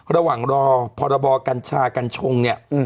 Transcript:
ระหว่างรอพรบกัญชากัญชง